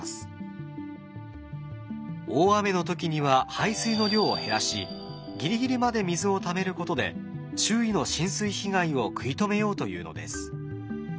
大雨の時には排水の量を減らしギリギリまで水をためることで周囲の浸水被害を食い止めようというのです。